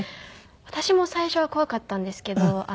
私も最初は怖かったんですけど。